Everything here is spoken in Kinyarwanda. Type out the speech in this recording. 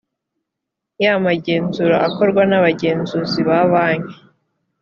y amagenzura akorwa n abagenzuzi ba banki